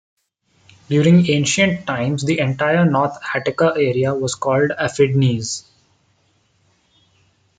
During ancient times, the entire north Attica area was called "Afidnes".